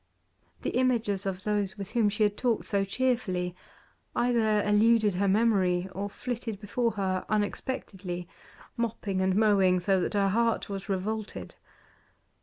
The images of those with whom she had talked so cheerfully either eluded her memory, or flitted before her unexpectedly, mopping and mowing, so that her heart was revolted.